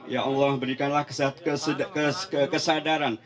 ya allah berikanlah kesadaran